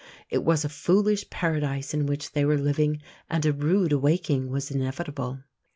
It was a foolish paradise in which they were living, and a rude awaking was inevitable.